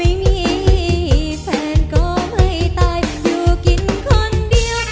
อย่างนี้ไม่มีแฟนก็ไม่ตายอยู่กินคนเดียว